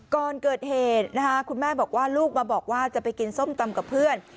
ก่อนเกิดเหตุนะคะคุณแม่บอกว่าลูกมาบอกว่าจะไปกินส้มตำกับเพื่อน